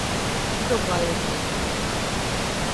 Dido ǩai iqvet̆u.